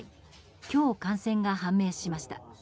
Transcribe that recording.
今日、感染が判明しました。